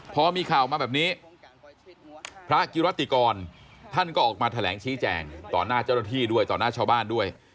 พอมีข่าวมาแบบนี้พระกิรติกรท่านก็ออกมาแถลงชี้แจงต่อหน้าเจ้าหน้าที่ด้วยต่อหน้าชาวบ้านด้วย